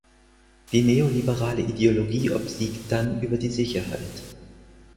Die neoliberale Ideologie obsiegt dann über die Sicherheit.